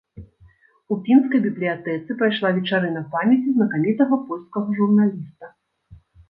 У пінскай бібліятэцы прайшла вечарына памяці знакамітага польскага журналіста.